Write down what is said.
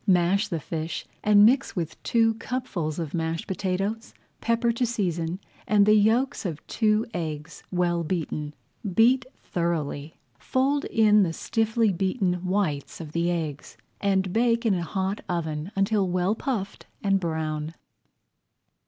Mash the fish and mix with two cupfuls of mashed potatoes, pepper to season, and the yolks of two eggs well beaten. Beat thoroughly, fold in the stiffly beaten whites of the eggs, and bake in a hot oven until well puffed and brown.